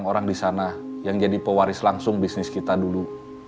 delapan orang di sana yang jadi pewaris langsung bisnis kita dulu